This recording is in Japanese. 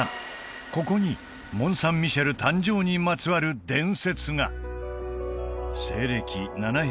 ここにモン・サン・ミシェル誕生にまつわる伝説が西暦